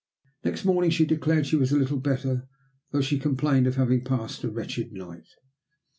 Next morning she declared she was a little better, though she complained of having passed a wretched night.